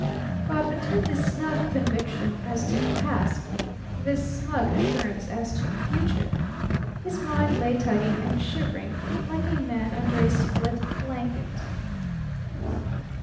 But between this snug conviction as to the Past, this smug assurance as to the Future, his mind lay tugging and shivering like a man under a split blanket.